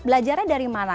belajarnya dari mana